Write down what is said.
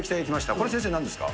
これ、先生なんですか。